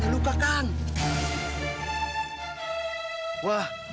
saya suka dengan ayah